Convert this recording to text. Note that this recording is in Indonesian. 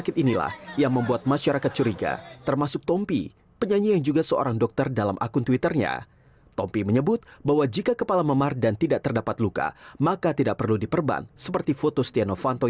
pihak kuasa komunitas setia novanto